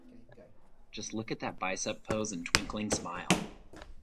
Just look at that bicep pose and twinkling smile.